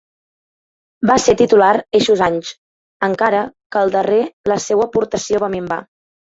Va ser titular eixos anys, encara que el darrer la seua aportació va minvar.